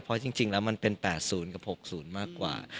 เพราะจริงแล้วมันเป็น๘๐กับ๖๐มากกว่า